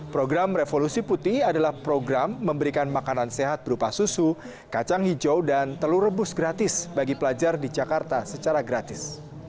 program revolusi putih adalah program memberikan makanan sehat berupa susu kacang hijau dan telur rebus gratis bagi pelajar di jakarta secara gratis